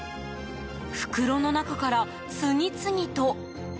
袋の中から次々と。